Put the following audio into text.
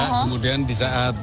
kemudian di saat